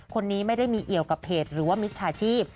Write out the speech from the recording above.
คนนี้ไม่ได้มีเอี่ยวกับเพจหรือว่ามิจฉาชีพ